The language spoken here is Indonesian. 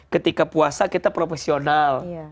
ketika puasa kita profesional